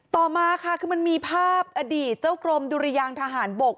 ต่อมาค่ะคือมันมีภาพอดีตเจ้ากรมดุรยางทหารบก